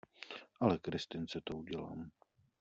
Ale Kristince to udělám.